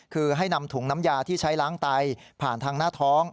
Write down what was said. คือให้นำถุงน้ำยาที่ใช้ล้างไตผ่านทางหน้าท้อง